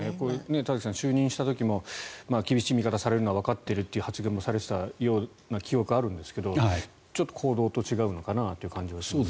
田崎さん、就任した時も厳しい見方をされるのはわかっているという発言もされていたような記憶があるんですがちょっと行動と違うのかなという気がします。